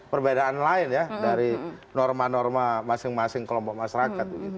perbedaan lain ya dari norma norma masing masing kelompok masyarakat